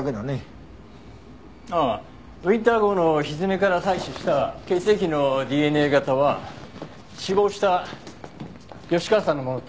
ああウィンター号の蹄から採取した血液のＤＮＡ型は死亡した吉川さんのものと一致しました。